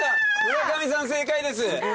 村上さん正解です。